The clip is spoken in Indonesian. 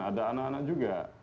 ada anak anak juga